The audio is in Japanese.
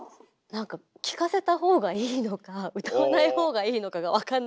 何か聴かせた方がいいのか歌わない方がいいのかがわかんなくて。